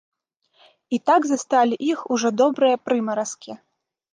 І так засталі іх ужо добрыя прымаразкі.